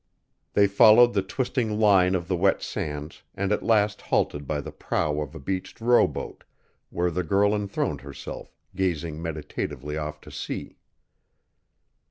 They followed the twisting line of the wet sands and at last halted by the prow of a beached row boat, where the girl enthroned herself, gazing meditatively off to sea.